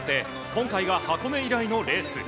今回が箱根以来のレース。